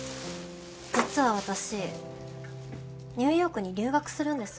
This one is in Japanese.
実は私ニューヨークに留学するんです。